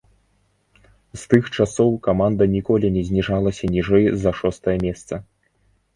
З тых часоў каманда ніколі не зніжалася ніжэй за шостае месца.